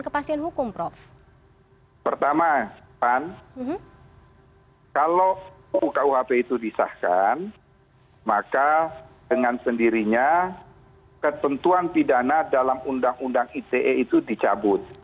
pertama kalau ukuhp itu disahkan maka dengan sendirinya ketentuan pidana dalam undang undang ite itu dicabut